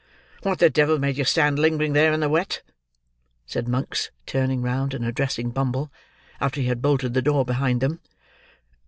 "What the devil made you stand lingering there, in the wet?" said Monks, turning round, and addressing Bumble, after he had bolted the door behind them.